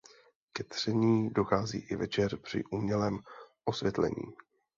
Ke tření dochází i večer při umělém osvětlení.